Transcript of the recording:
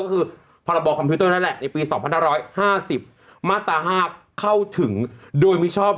ก็คือพรบคอมพิวเตอร์นั่นแหละในปี๒๕๕๐มาตรา๕เข้าถึงโดยมิชอบ